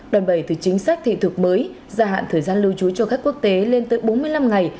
đoàn bày từ chính sách thị thực mới gia hạn thời gian lưu trú cho khách quốc tế lên tới bốn mươi năm ngày